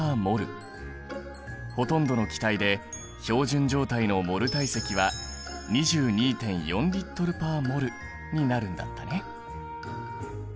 ほとんどの気体で標準状態のモル体積は２２．４Ｌ／ｍｏｌになるんだったね。